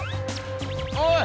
おい！